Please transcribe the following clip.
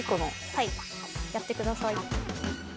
はいやってください。